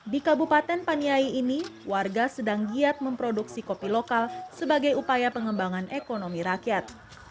di kabupaten paniai ini warga sedang giat memproduksi kopi lokal sebagai upaya pengembangan ekonomi rakyat